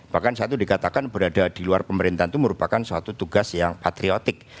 bahkan satu dikatakan berada di luar pemerintahan itu merupakan suatu tugas yang patriotik